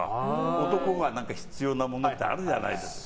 男が必要なものってあるじゃない。